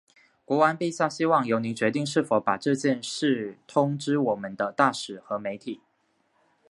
国王陛下希望由您决定是否把这些事通知我们的大使和媒体。